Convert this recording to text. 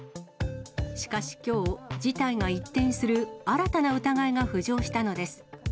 しかし、きょう、事態が一転する新たな疑いが浮上したのです。